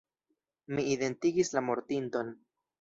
Mi identigis la mortinton.